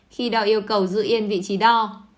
khi đo yêu cầu giữ yên vị trí đo